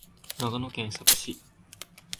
長野県佐久市